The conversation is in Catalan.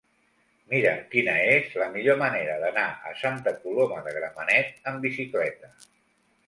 Mira'm quina és la millor manera d'anar a Santa Coloma de Gramenet amb bicicleta.